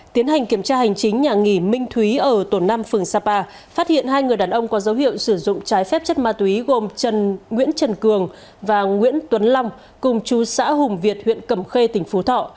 tiến hành kiểm tra hành chính nhà nghỉ minh thúy ở tổn năm phường sapa phát hiện hai người đàn ông có dấu hiệu sử dụng trái phép chất ma túy gồm nguyễn trần cường và nguyễn tuấn long cùng chú xã hùng việt huyện cầm khê tỉnh phú thọ